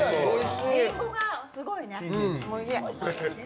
りんごがすごいねおいしい。